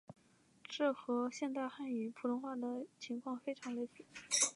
这和现代汉语普通话的情况非常类似。